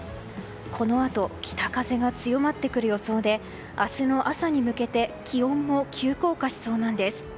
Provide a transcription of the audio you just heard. このあと北風が強まってくる予想で明日の朝に向けて気温も急降下しそうなんです。